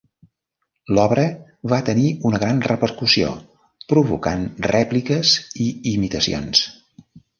L'obra va tenir una gran repercussió, provocant rèpliques i imitacions.